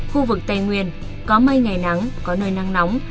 khu vực tây nguyên có mây ngày nắng có nơi nắng nóng